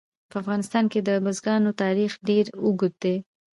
په افغانستان کې د بزګانو تاریخ ډېر اوږد دی.